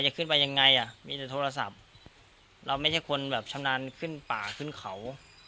จะขึ้นไปยังไงอ่ะมีแต่โทรศัพท์เราไม่ใช่คนแบบชำนาญขึ้นป่าขึ้นเขา